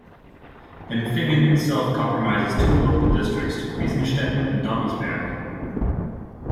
Empfingen itself comprises two local districts, Wiesenstetten and Dommelsberg.